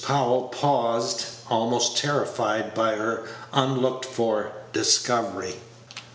Powell paused, almost terrified by her unlooked for discovery.